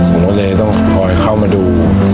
ผมก็เลยต้องคอยเข้ามาดู